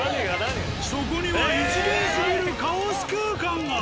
そこには異次元すぎるカオス空間が！